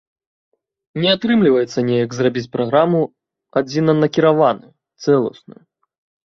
Не атрымліваецца неяк зрабіць праграму адзінанакіраваную, цэласную.